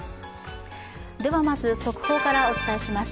まず、速報からお伝えします。